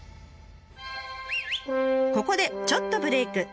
ここでちょっとブレーク。